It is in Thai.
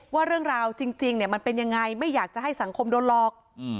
ว่าเรื่องราวจริงมันเป็นยังไงไม่อยากจะให้สังคมโดนหลอก